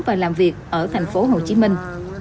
và làm việc ở thành phố hồ chí minh